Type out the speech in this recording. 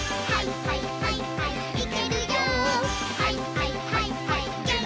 「はいはいはいはいマン」